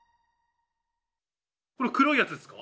この黒いやつですか？